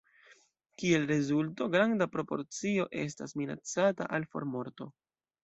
Kiel rezulto, granda proporcio estas minacata al formorto.